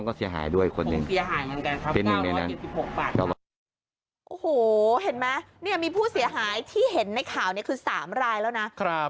โอ้โหเห็นไหมเนี่ยมีผู้เสียหายที่เห็นในข่าวเนี่ยคือ๓รายแล้วนะ